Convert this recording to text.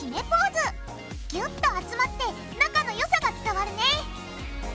ぎゅっと集まって仲のよさが伝わるね！